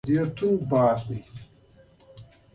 ډېر توند باد لګېدی.